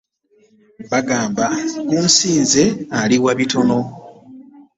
Bagamba gunsinze aliwa bitono.